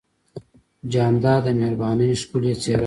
جانداد د مهربانۍ ښکلی څېرہ لري.